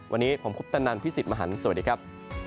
วันนี้ผมคุปตนันพี่สิทธิ์มหันฯสวัสดีครับ